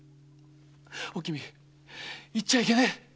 おきみ行っちゃいけねえ。